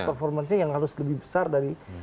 performancenya yang harus lebih besar dari